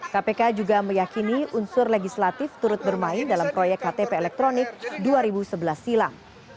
kpk juga meyakini unsur legislatif turut bermain dalam proyek ktp elektronik dua ribu sebelas silam